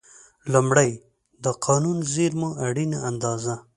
لومړی: د قانوني زېرمو اړینه اندازه.